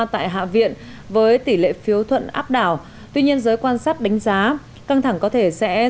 tại hạ viện với tỷ lệ phiếu thuận áp đảo tuy nhiên giới quan sát đánh giá căng thẳng có thể sẽ